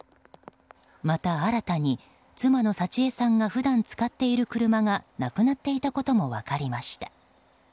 また、新たに妻の幸枝さんが普段使っていた車がなくなっていたことも分かりました。